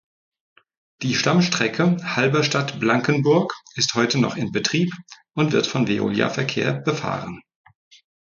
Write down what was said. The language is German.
Die „Stammstrecke“ Halberstadt–Blankenburg ist heute noch in Betrieb und wird von Veolia Verkehr befahren.